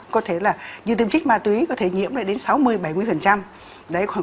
có thể là như tiêm chích ma túy có thể nhiễm lại đến sáu mươi bảy mươi